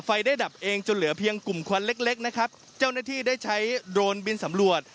ไฟได้ดับเองจนเหลือเพียงกลุ่มควันเล็กเล็กนะครับเจ้าหน้าที่ได้ใช้โดรนบินสำรวจ